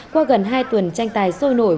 qua gần hai tuần tranh tài sôi nổi